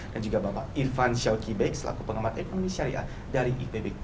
dan juga bapak irvan syawki bek selaku pengamat ekonomi syariah dari ipb